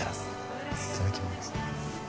いただきます。